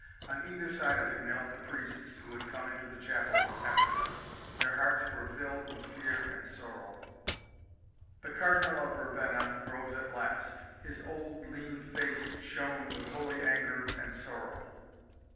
On either side of him knelt the priests who had come into the chapel after them. Their hearts were filled with fear and sorrow. The Cardinal of Ravenna rose at last. His old, lean face shone with holy anger and sorrow.